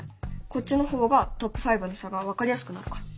こっちの方がトップ５の差が分かりやすくなるから。